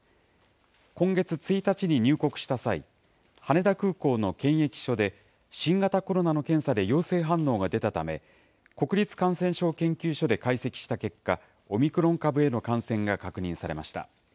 今月１日に入国した際、羽田空港の検疫所で、新型コロナの検査で陽性反応が出たため、国立感染症研究所で解析した結果、オミクロン株への感染が確認されました。